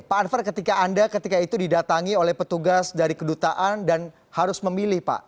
pak anwar ketika anda ketika itu didatangi oleh petugas dari kedutaan dan harus memilih pak